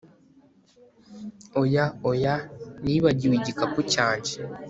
Oya oya Nibagiwe igikapu cyanjye